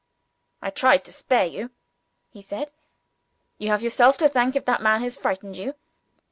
"I tried to spare you," he said. "You have yourself to thank, if that man has frightened you."